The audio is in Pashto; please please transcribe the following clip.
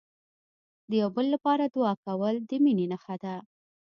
د یو بل لپاره دعا کول، د مینې نښه ده.